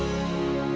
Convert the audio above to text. emang disuruh apa aja